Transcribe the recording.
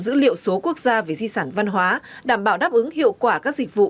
dữ liệu số quốc gia về di sản văn hóa đảm bảo đáp ứng hiệu quả các dịch vụ